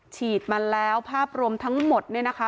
ฉีดมาแล้วภาพรวมทั้งหมดเนี่ยนะคะ